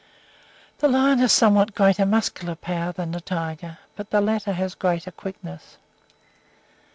The lion has somewhat greater muscular power than the tiger, but the latter has greater quickness.